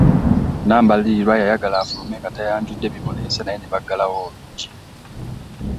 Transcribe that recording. Nambalirwa yayagala afulume nga tayanjudde bimuleese naye ne baggalawo oluggi.